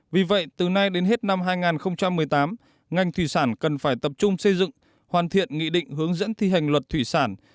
vì vậy từ nay đến hết năm hai nghìn một mươi tám ngành thủy sản cần phải tập trung xây dựng hoàn thiện nghị định hướng dẫn thi hành luật thủy sản